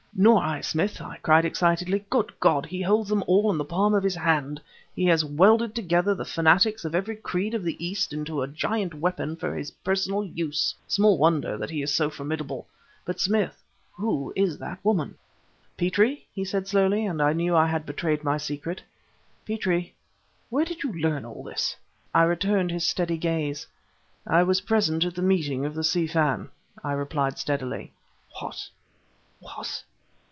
"Nor I, Smith!" I cried excitedly. "Good God! he holds them all in the palm of his hand! He has welded together the fanatics of every creed of the East into a giant weapon for his personal use! Small wonder that he is so formidable. But, Smith who is that woman?" "Petrie!" he said slowly, and I knew that I had betrayed my secret, "Petrie where did you learn all this?" I returned his steady gaze. "I was present at the meeting of the Si Fan," I replied steadily. "What? What?